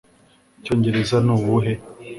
icyongereza ni ubuhe